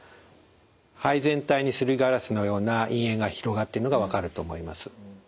肺全体にすりガラスのような陰影が広がっているのが分かると思います。